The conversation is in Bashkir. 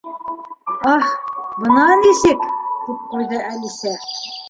— Аһ, бына нисек! — тип ҡуйҙы Әлисә.